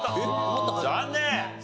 残念！